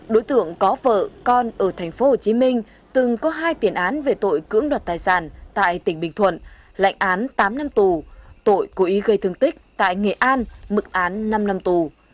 đối tượng có vợ con ở thành phố hồ chí minh từng có hai tiền án về tội cưỡng đoạt tài sản tại tỉnh bình thuận lệnh án tám năm tù tội cố ý gây thương tích tại nghệ an mực án năm năm tù